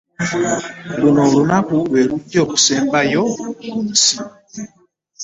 Luno olunaku lwe luggya okusemba ku nsi.